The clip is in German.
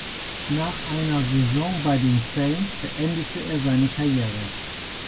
Nach einer Saison bei den Saints beendete er seine Karriere.